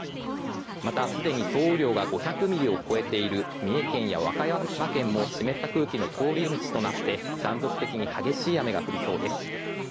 また、すでに総雨量が５００ミリを超えている三重県や和歌山県も湿った空気の通り道となって断続的に激しい雨となりそうです。